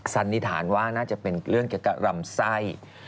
สันนิษฐานว่าน่าจะเป็นเรื่องเกี่ยวกับลำไส้